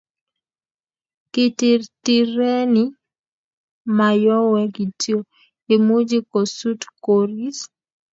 kitirtireni Mayowe kityo, imuchi kosut koris